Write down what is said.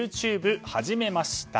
ＹｏｕＴｕｂｅ始めました。